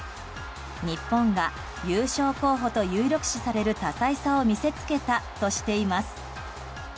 日本が優勝候補と有力視される多才さを見せつけたとしています。